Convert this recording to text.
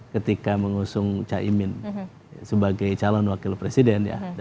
ketika mengusung caimin sebagai calon wakil presiden ya